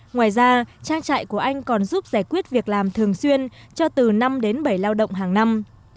ngoài ra trang trại của anh còn giúp giải quyết việc làm thường xuyên cho từ năm đến bảy lao động hàng năm